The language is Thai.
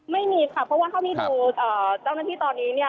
ไม่มีค่ะเพราะว่าเท่าที่ดูเจ้าหน้าที่ตอนนี้เนี่ย